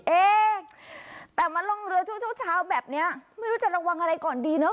เอ๊ะแต่มาล่องเรือช่วงเช้าแบบนี้ไม่รู้จะระวังอะไรก่อนดีเนอะ